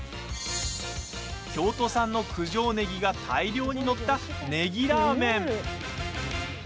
京都産の九条ネギが大量に載ったネギラーメン。